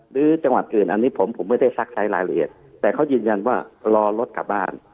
หรือจังหวัดอื่นอันนี้ผมผมไม่ได้ซักใช้รายละเอียดแต่เขายืนยันว่ารอรถกลับบ้าน